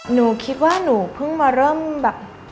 หนูคิดว่าหนูเพิ่งมาเริ่มแบบ